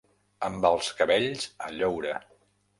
Amb els cabells a lloure.